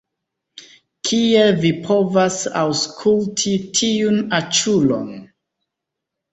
Kiel vi povas aŭskulti tiun aĉulon?